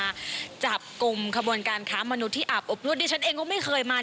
สถานพลิการต่างต่างนี้มีการตั้งอย่างถูกกฎหมาย